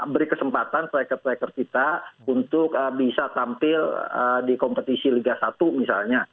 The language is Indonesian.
beri kesempatan striker striker kita untuk bisa tampil di kompetisi liga satu misalnya